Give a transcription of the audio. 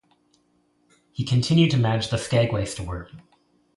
He continued to managed the Skagway store.